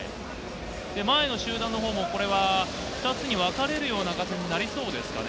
前の集団のほうも２つに分かれるような形になりそうですかね。